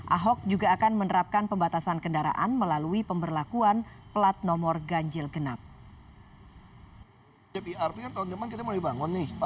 ahok juga akan menerapkan pembatasan kendaraan melalui pemberlakuan plat nomor ganjil genap